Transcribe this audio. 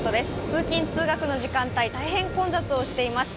通勤・通学の時間帯、大変混雑をしています。